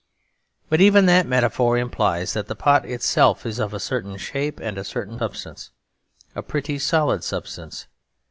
But even that metaphor implies that the pot itself is of a certain shape and a certain substance; a pretty solid substance.